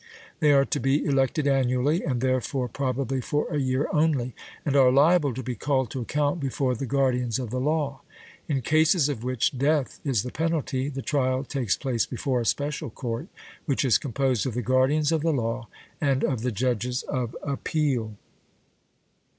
They are to be elected annually, and therefore probably for a year only, and are liable to be called to account before the guardians of the law. In cases of which death is the penalty, the trial takes place before a special court, which is composed of the guardians of the law and of the judges of appeal.